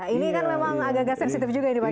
ini kan memang agak agak sensitif juga